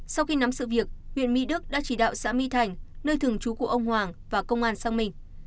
sau khi nắm sự việc huyện mỹ đức đã chỉ đạo xã my thành nơi thường trú của ông hoàng và công an sang mình